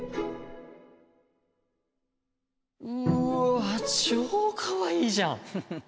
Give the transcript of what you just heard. うわ超かわいいじゃん！